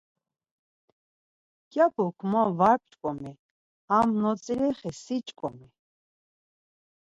Mǩyapuk, Ma var p̌ç̌ǩomi ham notzilexi, si ç̌ǩomi.